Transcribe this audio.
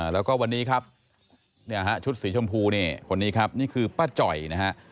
แล้วก็วันนี้ครับชุดสีชมพูนี่คนนี้ครับนี่คือป้าจ่อยนะฮะ